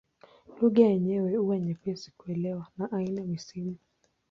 Lugha yenyewe huwa nyepesi kuelewa na haina misimu.